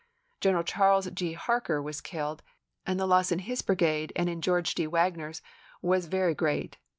General Charles G. Harker was killed, and the loss in his brigade and in George D. Wagner's was very great.